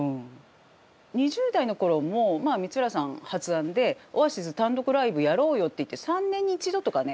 ２０代の頃もまあ光浦さん発案でオアシズ単独ライブやろうよって言って３年に１度とかね